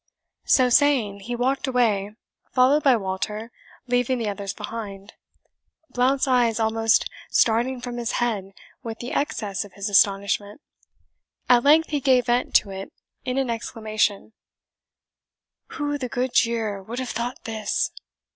So saying, he walked away, followed by Walter, leaving the others behind, Blount's eyes almost starting from his head with the excess of his astonishment. At length he gave vent to it in an exclamation, "Who the good jere would have thought this!"